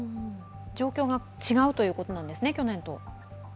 状況が違うということなんですね、去年と。